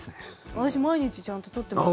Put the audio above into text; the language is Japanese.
私、毎日ちゃんと取ってます。